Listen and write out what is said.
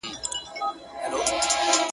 غزل به وي سارنګ به وي خو مطربان به نه وي٫